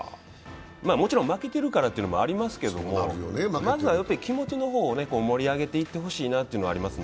もちろん負けてるからというのもありますけど、まずは気持ちの方を盛り上げていってほしいなというのがあります。